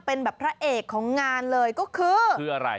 เป็นแบบพระเอกของงานเลยก็คือคืออะไร